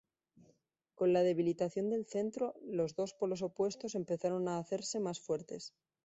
Con la debilitación del centro, los dos polos opuestos empezaron a hacerse más fuertes.